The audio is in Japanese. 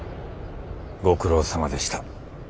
ご苦労さまでした。